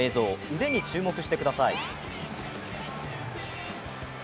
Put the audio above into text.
腕に注目してください。